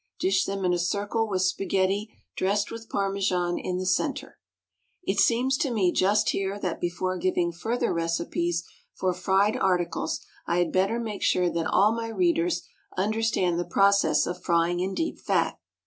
Dish them in a circle with spaghetti dressed with Parmesan in the centre. It seems to me just here that before giving further recipes for fried articles I had better make sure that all my readers understand the process of frying in deep fat.